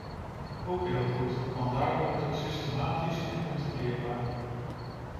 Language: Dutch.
Ook heel goed, want daardoor wordt het systematisch en controleerbaar.